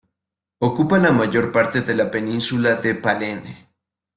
Ocupa la mayor parte de la península de Palene.